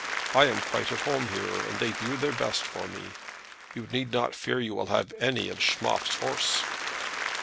I am quite at home here and they do their best for me. You need not fear you will have any of Schmoff's horse."